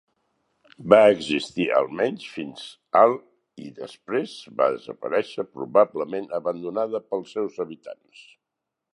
Va existir almenys fins al i després va desaparèixer probablement abandonada pels seus habitants.